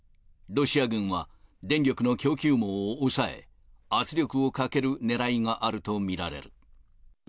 ロシア軍は、電力の供給網を抑え、圧力をかけるねらいがあると見られる。